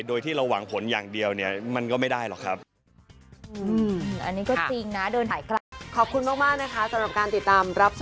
โดยที่เราหวังผลอย่างเดียวเนี่ยมันก็ไม่ได้หรอกครับ